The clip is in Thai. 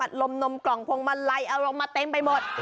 อัดลมกล่องพงมะไลเอาลงมาเต็มไปหมด